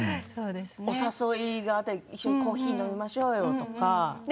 お誘い、一緒にコーヒー飲みましょうよとか。